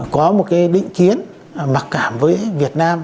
có một định kiến mặc cảm với việt nam